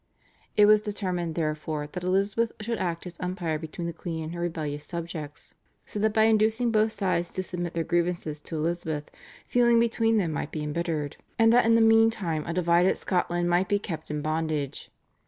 It was determined, therefore, that Elizabeth should act as umpire between the queen and her rebellious subjects, so that by inducing both sides to submit their grievances to Elizabeth feeling between them might be embittered, and that in the meantime a divided Scotland might be kept in bondage.